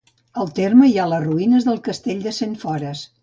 Al terme hi ha les ruïnes del castell de Sentfores.